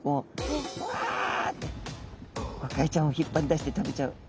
ゴカイちゃんを引っ張り出して食べちゃう。